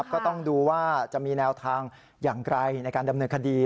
ก็ต้องดูว่าจะมีแนวทางอย่างไรในการดำเนินคดี